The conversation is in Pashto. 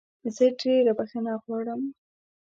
زه ډېره بخښنه غواړم.